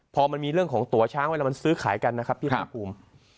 พอมันมีเรื่องของตัวช้างเวลามันซื้อขายกันนะครับพี่ภาคภูมิ